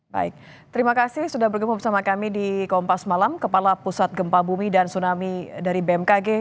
baik terima kasih sudah bergabung bersama kami di kompas malam kepala pusat gempa bumi dan tsunami dari bmkg